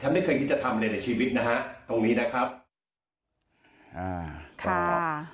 ฉันไม่เคยคิดจะทำในชีวิตนะฮะตรงนี้นะครับ